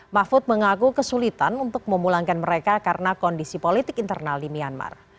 mahfud mengaku kesulitan untuk memulangkan mereka karena kondisi politik internal di myanmar